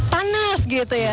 panas gitu ya